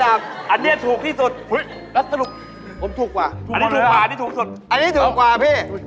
อันนเนี่ยถูกที่สุดโอ๊ยล่ะสรุปผมถูกกว่าถูกมาเลยหรอถูกสุดอันนี้ถูกกว่าพี่